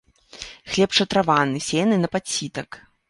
Хлеб шатраваны, сеяны на падсітак.